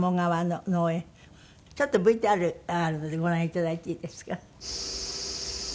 ちょっとＶＴＲがあるのでご覧頂いていいですか？